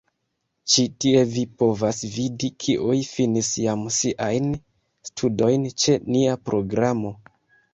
Ĉi tie vi povas vidi, kiuj finis jam siajn studojn ĉe nia programo.